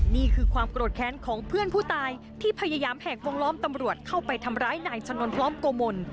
นี่คือความโกรธแค้นของเพื่อนผู้ตายที่พยายามแหกวงล้อมตำรวจเข้าไปทำร้ายนายชะนนพร้อมโกมล